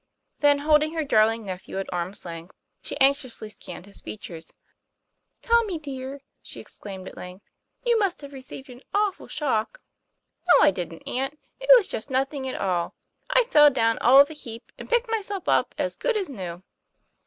Then holding her darling nephew at arm's length, she anxiously scanned his features. Tommy, dear," she exclaimed at length, "you must have received an awful shock." "No, I didn't, aunt, it was just nothing at all. I fell down all of a heap, and picked myself up as good as new."